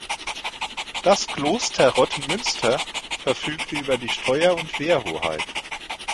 Das Kloster Rottenmünster verfügte über die Steuer- und Wehrhoheit.